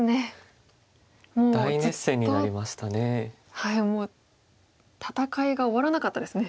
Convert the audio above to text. はいもう戦いが終わらなかったですね